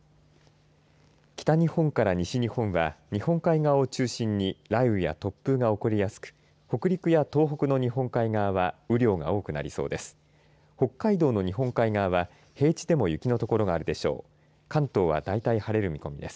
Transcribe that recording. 北日本から西日本は日本海側を中心に雷雨や突風が起こりやすく北陸や東北の日本海側は雨量が多くなりそうです。